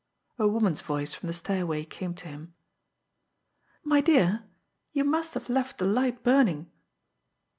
A woman's voice from the stairway came to him: "My dear, you must have left the light burning."